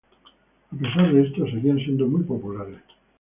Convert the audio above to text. A pesar de esto, seguían siendo muy populares.